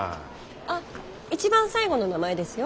あっ一番最後の名前ですよ。